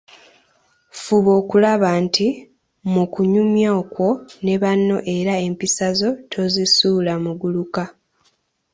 Fuba okulaba nti, mu kunyumya okwo ne banno era empisa zo tozisuula muguluka.